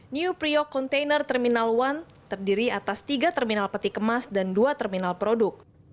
new priok container terminal satu terdiri atas tiga terminal peti kemas dan dua terminal produk